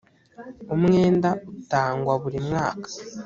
umwenda utangwa buri mwaka